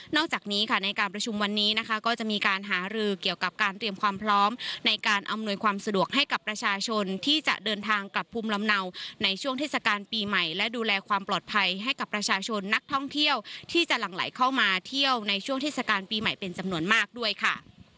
จากนี้ค่ะในการประชุมวันนี้นะคะก็จะมีการหารือเกี่ยวกับการเตรียมความพร้อมในการอำนวยความสะดวกให้กับประชาชนที่จะเดินทางกลับภูมิลำเนาในช่วงเทศกาลปีใหม่และดูแลความปลอดภัยให้กับประชาชนนักท่องเที่ยวที่จะหลั่งไหลเข้ามาเที่ยวในช่วงเทศกาลปีใหม่เป็นจำนวนมากด้วยค่ะ